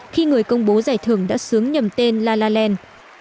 khi người công bố giải thưởng đã xướng nhầm tên la la land